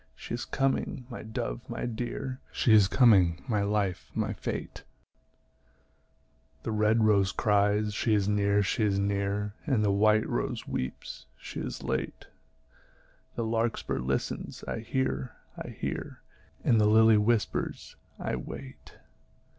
She is coming, my dove, my dear; She is coming, my life, my fate; The red rose cries, "She is near, she is near;" And the white rose weeps, "She is late;" The larkspur listens, "I hear, I hear;" And the lily whispers, "I wait."